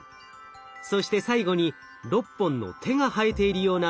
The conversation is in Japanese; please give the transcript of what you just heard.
そして最後に６本の手が生えているような部品です。